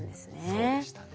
そうでしたね。